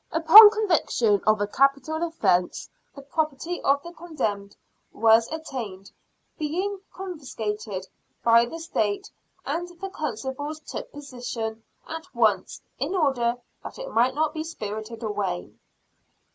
Upon conviction of a capital offence the property of the condemned was attainted, being confiscated by the state; and the constables took possession at once, in order that it might not be spirited away.